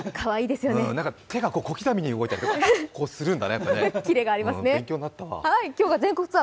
何か手が小刻みに動いたりとかするんだ